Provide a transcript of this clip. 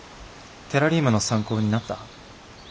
テラリウムの参考になった？